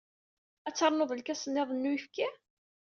Ad ternuḍ lkas niḍen n uyefki?